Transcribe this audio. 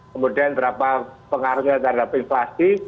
kemudian berapa pengaruhnya terhadap inflasi